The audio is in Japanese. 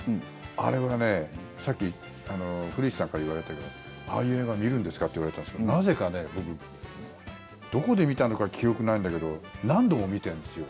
あれはね、さっき古市さんから言われたけどああいう映画、見るんですかって言われたんですけどなぜかね、僕どこで見たのか記憶ないんだけど何度も見てるんですよ。